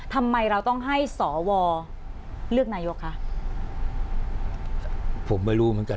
ทำไมเราต้องให้สวเลือกนายกคะผมไม่รู้เหมือนกัน